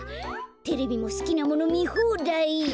テレビもすきなものみほうだい。